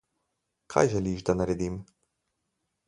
Kaj želiš, da naredim?